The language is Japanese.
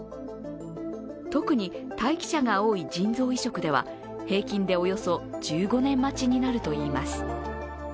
特に待機者が多い腎臓移植では平均でおよそ１５年待ちになるといいます。